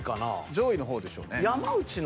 上位の方でしょうね。